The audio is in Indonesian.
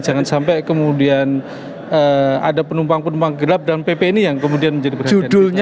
jangan sampai kemudian ada penumpang penumpang gelap dalam pp ini yang kemudian menjadi berada di dalamnya